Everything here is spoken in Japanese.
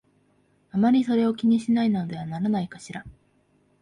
あまりそれを気にしないのではないかしら